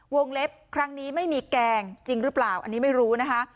เล็บครั้งนี้ไม่มีแกงจริงหรือเปล่าอันนี้ไม่รู้นะคะ